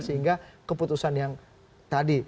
sehingga keputusan yang tadi